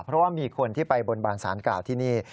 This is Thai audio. เพราะว่ามีคนที่ไปบนบานสารกล่าวที่นี่